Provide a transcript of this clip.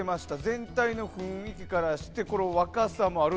全体の雰囲気からして若さもある。